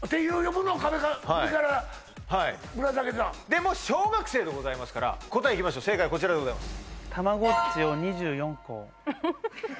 でも小学生でございますから答えいきましょう正解こちらでございます